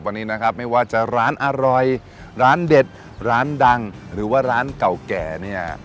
วันนี้นะครับไม่ว่าจะร้านอร่อยร้านเด็ดร้านดังหรือว่าร้านเก่าแก่เนี่ย